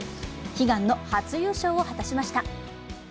悲願の初優勝を果たしました。